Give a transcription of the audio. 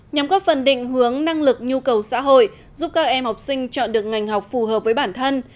nhằm góp phần định hướng năng lực nhu cầu xã hội giúp các em học sinh chọn được ngành học phù hợp với bản thân